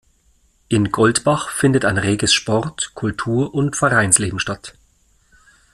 In Goldbach findet ein reges Sport-, Kultur- und Vereinsleben statt.